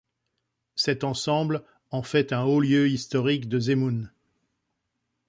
Cet ensemble en fait un haut lieu historique de Zemun.